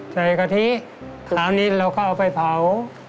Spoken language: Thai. ใส่ขะทิขาวนี้เราก็เอาไปเผา